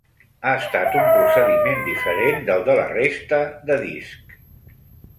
Ha estat un procediment diferent del de la resta de disc.